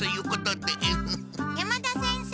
山田先生！